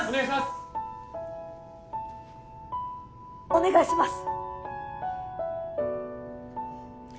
お願いします！